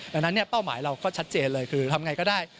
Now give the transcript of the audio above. ดังนั้นเป้าหมายเราก็ชัดเจนเลยคือทำไงก็ได้